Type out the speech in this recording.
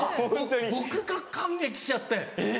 僕が感激しちゃって。